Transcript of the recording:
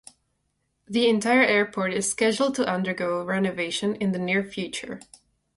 The entire airport is scheduled to undergo renovation in the near future.